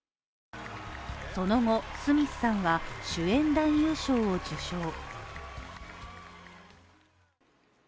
その後、スミスさんは主演男優賞を受賞。